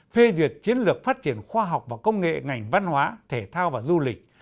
phê duyệt chiến lược phát triển khoa học và công nghệ ngành văn hóa thể thao và du lịch